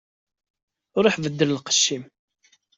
Ṛuḥ beddel lqecc-im.